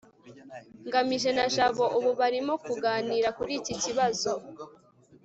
ngamije na jabo ubu barimo kuganira kuri iki kibazo